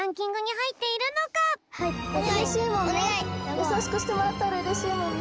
やさしくしてもらったらうれしいもんね。